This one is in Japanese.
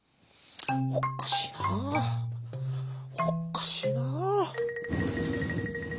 「おっかしいな。おっかしいな」。